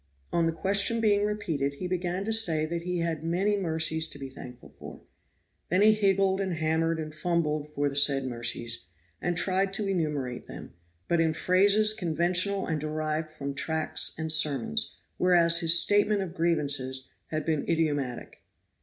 On the question being repeated, he began to say that he had many mercies to be thankful for. Then he higgled and hammered and fumbled for the said mercies, and tried to enumerate them, but in phrases conventional and derived from tracts and sermons; whereas his statement of grievances had been idiomatic.